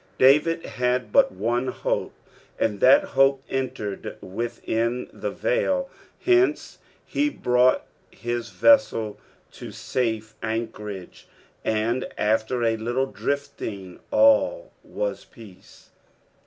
David had but one hope, and that hope entered within the veil, hence he brought his vessel to safo anchorage, and after a little drifting nil was |)eace.